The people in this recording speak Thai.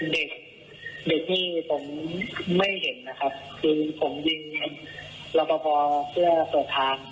เด็กเด็กนี่ผมไม่เห็นนะครับคือผมยิงรอปภเพื่อเปิดทาง